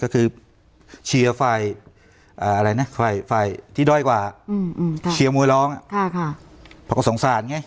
คือเชียร์ฝ่ายที่ด้วยกว่าเชียร์มวยร้อง